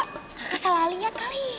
kakak salah liat kali